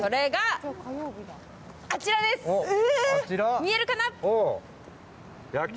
見えるかな？